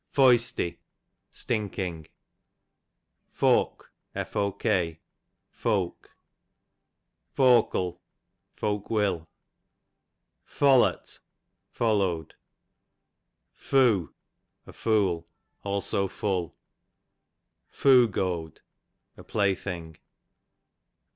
Foisty, stinking. Fok, folk. Fok'll, folk ivill. FoUut, followed. Foo, a fool ; also full: Foo goad, a play thing.